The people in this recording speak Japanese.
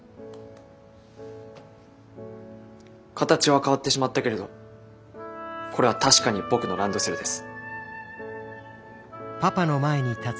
形は変わってしまったけれどこれは確かに僕のランドセルです。